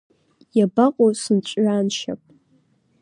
Иабаҟоу сыҵәҩаншьап?